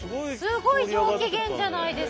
すごい上機嫌じゃないですか。